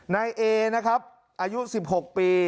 นายเอนะครับอายุ๑๖ปี